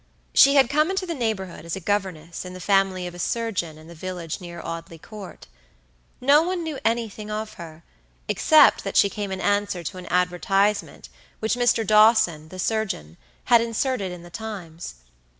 She had come into the neighborhood as a governess in the family of a surgeon in the village near Audley Court. No one knew anything of her, except that she came in answer to an advertisement which Mr. Dawson, the surgeon, had inserted in The Times.